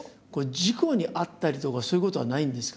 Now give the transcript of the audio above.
事故に遭ったりとかそういうことはないんですか？